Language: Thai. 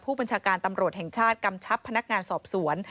ผู้บัญชาการตำรวจแห่งชาติกำชับพนักงานสอบสวน